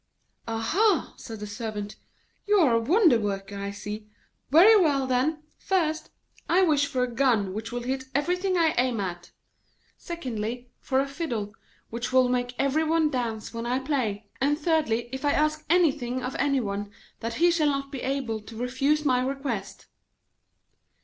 'Aha!' said the Servant, 'you are a wonder worker I see. Very well, then. First, I wish for a gun which will hit everything I aim at; secondly, for a fiddle which will make every one dance when I play; and, thirdly, if I ask anything of any one, that he shall not be able to refuse my request.'